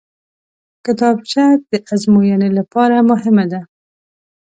کتابچه د ازموینې لپاره مهمه ده